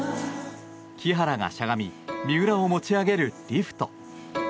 木原がしゃがみ三浦を持ち上げるリフト。